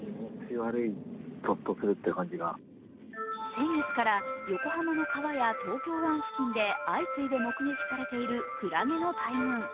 先月から横浜の川や東京湾付近で相次いで目撃されているクラゲの大群。